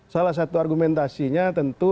salah satu argumentasinya tentu